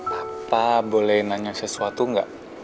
papa boleh nanya sesuatu gak